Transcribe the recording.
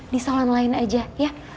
di salon lain aja ya